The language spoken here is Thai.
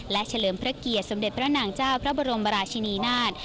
และเฉลิมพระเกียรติสมเด็จพระนางเจ้าพระบรมราชินีนาฏ